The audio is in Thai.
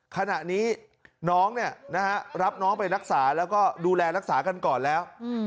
ขณะนี้น้องรับน้องไปรักษาแล้วก็ดูแลรักษากันก่อนแล้ว